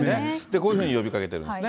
こういうふうに呼びかけているんですね。